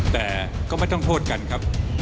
แต่ก็ไม่ต้องโทษกันครับ